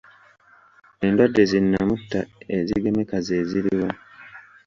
Endwadde zi nnamutta ezigemeka ze ziriwa?